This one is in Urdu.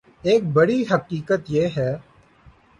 ایک بڑی حقیقت یہ ہے